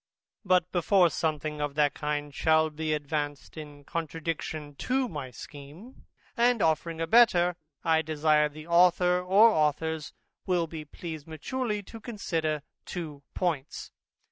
But before something of that kind shall be advanced in contradiction to my scheme, and offering a better, I desire the author or authors will be pleased maturely to consider two points.